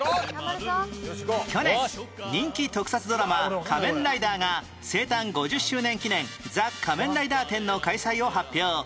去年人気特撮ドラマ『仮面ライダー』が「生誕５０周年記念 ＴＨＥ 仮面ライダー展」の開催を発表